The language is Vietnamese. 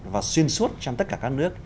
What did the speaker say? và xuyên suốt trong tất cả các nước